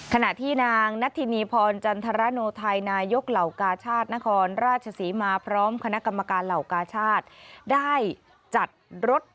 ขณะที่นางนัทธินีพรจันทรโนไทยนายกเหล่ากาชาตินครราชศรีมาพร้อมคณะกรรมการเหล่ากาชาติได้จัดรถ